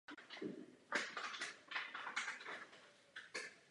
V tomto směru bychom rozhodně měli jednat.